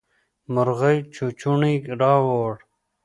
مرغۍ چوچوڼی راووړ.